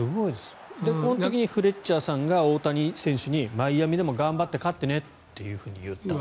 この時にフレッチャーさんが大谷選手にマイアミでも頑張って勝ってねと言ったと。